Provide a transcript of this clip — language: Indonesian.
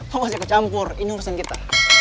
masih kecamur ini urusan kita